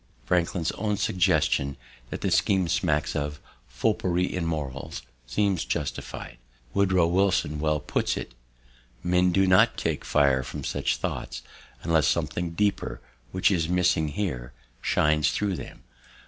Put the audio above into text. Franklin's own suggestion that the scheme smacks of "foppery in morals" seems justified. Woodrow Wilson well puts it: "Men do not take fire from such thoughts, unless something deeper, which is missing here, shine through them.